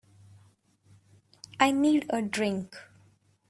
I need a drink.